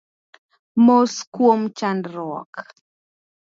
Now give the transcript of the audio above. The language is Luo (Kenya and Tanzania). Mos kuom chandruok